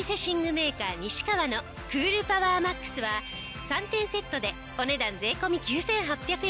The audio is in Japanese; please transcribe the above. メーカー西川のクールパワーマックスは３点セットでお値段税込９８００円。